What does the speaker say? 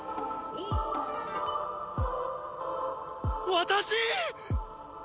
私！？